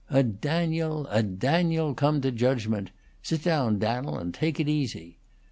"A Daniel a Daniel come to judgment! Sit down, Dan'el, and take it easy."